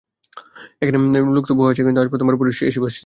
এখানে লোক তো বহু আসে, কিন্তু আজ প্রথমবার সামনে পুরুষ বসে আছে।